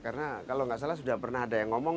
karena kalau gak salah sudah pernah ada yang ngomong